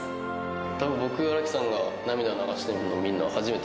たぶん、僕、荒木さんが涙流しているの見るのは初めて。